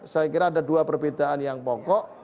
saya kira ada dua perbedaan yang pokok